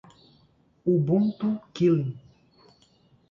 Ubuntu Kylin